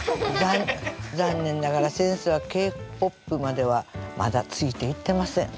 残念ながら先生はＫ−ＰＯＰまではまだついていってません。